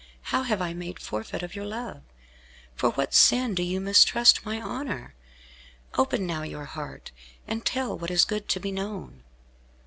How have I made forfeit of your love; for what sin do you mistrust my honour? Open now your heart, and tell what is good to be known."